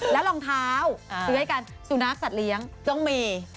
แล้วรองเท้าซื้อให้กันสุนัขสัตว์เลี้ยงต้องมี